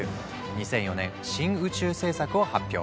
２００４年「新宇宙政策」を発表。